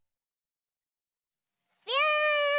びゅん！